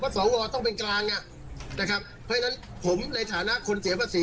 สวต้องเป็นกลางอ่ะนะครับเพราะฉะนั้นผมในฐานะคนเสียภาษี